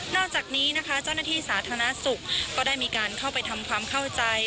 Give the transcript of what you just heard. จากนี้นะคะเจ้าหน้าที่สาธารณสุขก็ได้มีการเข้าไปทำความเข้าใจ